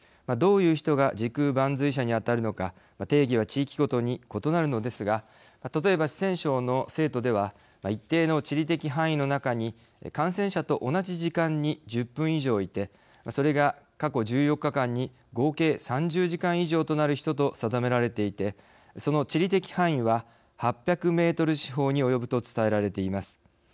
どういう人が時空伴随者にあたるのか定義は地域ごとに異なるのですが例えば四川省の成都では一定の地理的範囲の中に感染者と同じ時間に１０分以上いてそれが過去１４日間に合計３０時間以上となる人と定められていてその地理的範囲は８００メートル四方に及ぶと伝えられています。